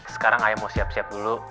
sekarang ayah mau siap siap dulu